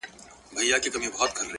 د لوړتیا د محبوب وصل را حاصل سي-